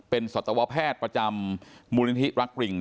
เป็นสัตวแพทย์ประจำมูลนิธิรักกริง